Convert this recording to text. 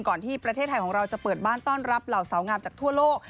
ที่ประเทศไทยของเราจะเปิดบ้านต้อนรับเหล่าสาวงามจากทั่วโลก